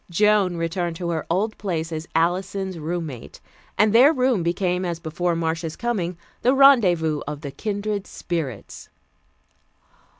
Joan returned to her old place as Alison's roommate, and their room became as before Marcia's coming, the rendezvous of the "Kindred Spirits."